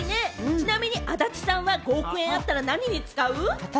ちなみに足立さんは５億円あったら何使う？